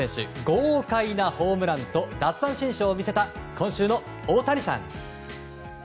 豪快なホームランと奪三振ショーを見せた今週のオオタニさん。